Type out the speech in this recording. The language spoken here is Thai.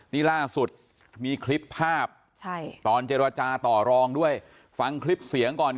นี่ล่าสุดมีคลิปภาพตอนเจรจาต่อรองด้วยฟังคลิปเสียงก่อน